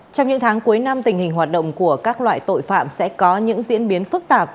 trong những tháng cuối năm tình hình hoạt động của các loại tội phạm sẽ có những diễn biến phức tạp